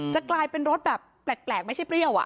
จะกลายเป็นรสแบบแปลกไม่ใช่เปรี้ยว